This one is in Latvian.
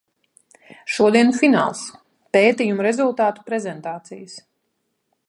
Šodien fināls - pētījumu rezultātu prezentācijas.